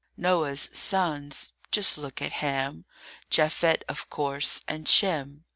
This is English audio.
NOAH'S sons just look at Ham, Japhet, of course, and Shem!